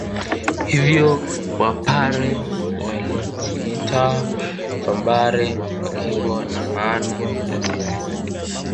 Hivyo Wapare walijiita Vambare wakiwa na maana ya sisi